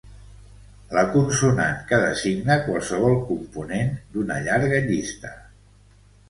La consonant que designa qualsevol component d'una llarga llista.